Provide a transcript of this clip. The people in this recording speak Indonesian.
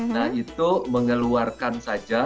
nah itu mengeluarkan saja